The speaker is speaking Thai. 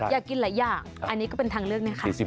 อยากกินหลายอย่างอันนี้ก็เป็นทางเลือกนะคะ